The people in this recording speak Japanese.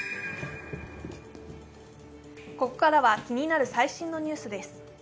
ここからは気になる最新のニュースです。